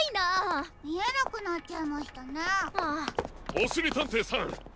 おしりたんていさん